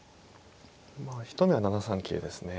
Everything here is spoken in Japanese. まあ一目は７三桂ですね。